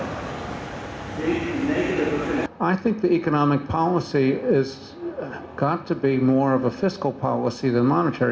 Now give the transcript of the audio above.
saya pikir kebijakan ekonomi harus lebih dari kebijakan fiskal daripada kebijakan moneter